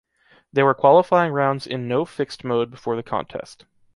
There were qualifying rounds in no fixed-mode before the contest